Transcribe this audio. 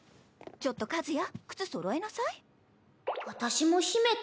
ちょっと和也靴そろえなさい。